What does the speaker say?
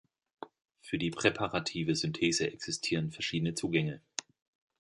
Für die präparative Synthese existieren verschiedene Zugänge.